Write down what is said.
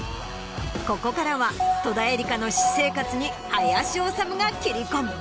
ここからは戸田恵梨香の私生活に林修が切り込む。